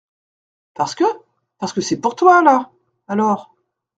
Parce que ?… parce que c’est pour toi, là ! alors…